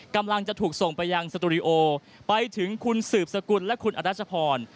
กำลังจะถูกส่งไปยังสตูดิโอไปถึงคุณสืบสกุลและคุณอรัชพร